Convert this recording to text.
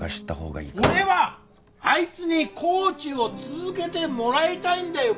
俺はあいつにコーチを続けてもらいたいんだよ！